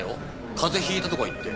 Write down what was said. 風邪引いたとか言って。